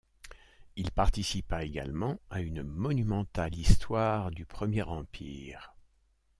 Il participa également à une monumentale Histoire du Premier Empire.